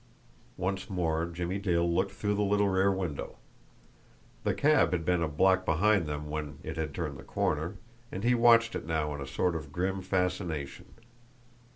Once more Jimmie Dale looked through the little rear window. The cab had been a block behind them when it had turned the corner, and he watched it now in a sort of grim fascination.